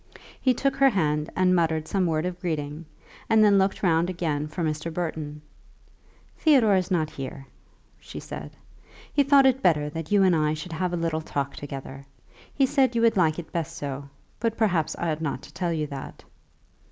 He took her hand and muttered some word of greeting, and then looked round again for Mr. Burton. "Theodore is not here," she said; "he thought it better that you and I should have a little talk together. He said you would like it best so; but perhaps I ought not to tell you that."